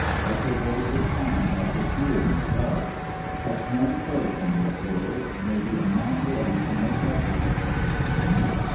Let your voices sound like the cooing of doves. A torn cloak in this world may be a mantle of eternal blessedness in the next."